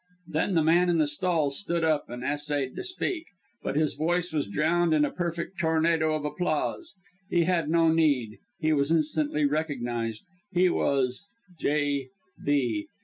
Then the man in the stalls stood up, and essayed to speak; but his voice was drowned in a perfect tornado of applause. He had no need he was instantly recognized he was J B